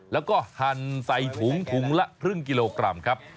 แล้วก็หั่นใส่ถุงถุงละครึ่งกิโลกรัมครับ